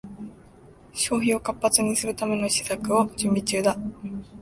消費を活発にするための施策を準備中だ